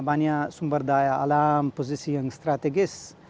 banyak sumber daya alam posisi yang strategis